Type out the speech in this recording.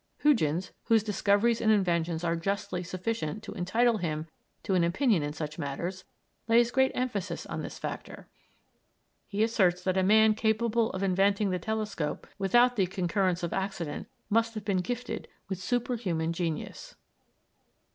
Huygens, whose discoveries and inventions are justly sufficient to entitle him to an opinion in such matters, lays great emphasis on this factor. He asserts that a man capable of inventing the telescope without the concurrence of accident must have been gifted with superhuman genius.